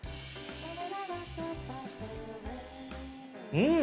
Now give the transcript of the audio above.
うん！